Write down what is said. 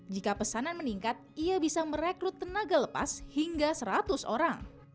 jika pesanan meningkat ia bisa merekrut tenaga lepas hingga seratus orang